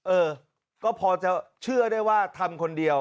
เออก็พอจะเชื่อได้ว่าทำคนเดียว